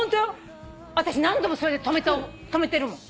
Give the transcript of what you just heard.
私何度もそれで止めてるもん。